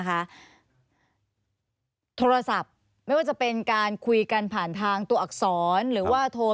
โทรศัพท์ไม่ว่าจะเป็นการคุยกันผ่านทางตัวอักษรหรือว่าโทร